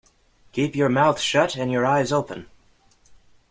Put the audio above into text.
Keep your mouth shut and your eyes open.